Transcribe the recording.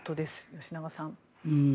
吉永さん。